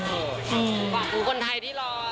คุณคนไทยที่รอ